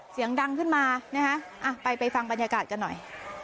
เสียงดังขึ้นมานะฮะไปไปฟังบรรยากาศกันหน่อย